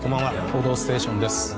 「報道ステーション」です。